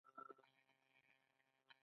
شطرنج په هند کې اختراع شوی.